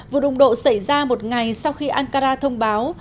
vụ đụng độ xảy ra một ngày sau khi ankara thông báo